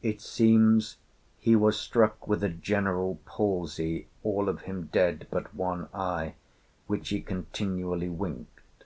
It seems he was struck with a general palsy, all of him dead but one eye, which he continually winked.